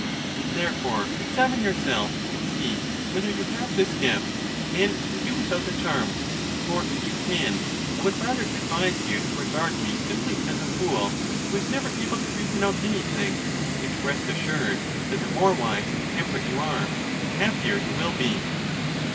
And therefore examine yourself, and see whether you have this gift and can do witiiout the charm; for if you can, I would rather advise you to regard me simply as a fool who is never able to reason out anything; and to rest assured that the more wise and temperate you are, the happier you will be.